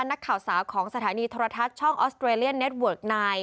นักข่าวสาวของสถานีโทรทัศน์ช่องออสเตรเลียเน็ตเวิร์กนาย